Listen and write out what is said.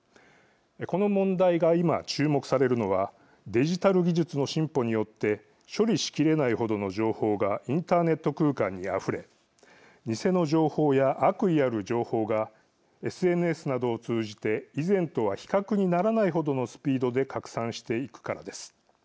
この問題が今、注目されるのはデジタル技術の進歩によって処理しきれない程の情報がインターネット空間にあふれ偽の情報や悪意ある情報がＳＮＳなどを通じて以前とは比較にならない程のスピードで拡散していくからです。